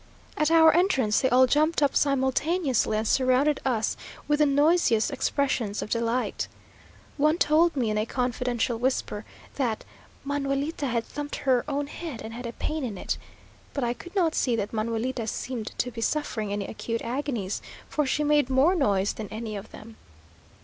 At our entrance, they all jumped up simultaneously, and surrounded us with the noisiest expressions of delight. One told me in a confidential whisper, that "Manuelita had thumped her own head, and had a pain in it;" but I could not see that Manuelita seemed to be suffering any acute agonies, for she made more noise than any of them.